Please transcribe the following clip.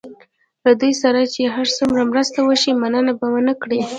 له دوی سره چې هر څومره مرسته وشي مننه به ونه کړي.